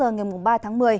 ngày ba tháng một mươi